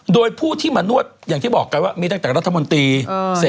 โดยผู้ที่มานวดอย่างที่บอกกันว่ามีตั้งแต่รัฐมนตรี